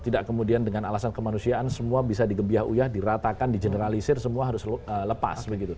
tidak kemudian dengan alasan kemanusiaan semua bisa digebiah uyah diratakan di generalisir semua harus lepas